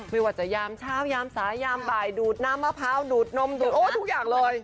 ไม่ว่าจะยามเช้ายามสายยามบ่ายดูดน้ำมะพร้าวดูดนมดูดโอ้ทุกอย่างเลย